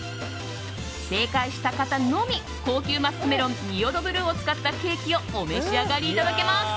正解した方のみ高級マスクメロン仁淀ブルーを使ったケーキをお召し上がりいただけます。